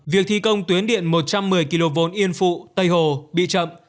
việc thi công tuyến điện một trăm một mươi kv yên phụ tây hồ bị chậm